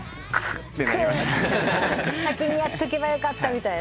「先にやっとけばよかった」みたいな？